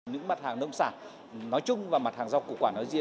những mặt hàng nông sản nói chung và mặt hàng giao khẩu